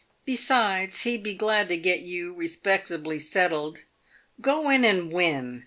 Besides, he'd be glad to get you respectably settled. Go in and win.